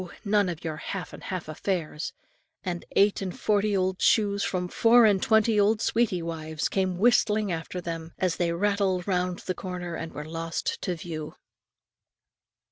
none of your half and half affairs; and eight and forty old shoes from four and twenty old sweetie wives, came whistling after them, as they rattled round the corner and were lost to view.